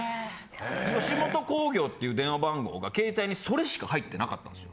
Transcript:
吉本興業っていう電話番号が携帯にそれしか入ってなかったんですよ。